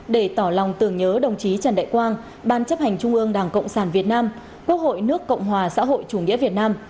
để tỏ lòng tưởng nhớ đồng chí trần đại quang ban chấp hành trung ương đảng cộng sản việt nam quốc hội nước cộng hòa xã hội chủ nghĩa việt nam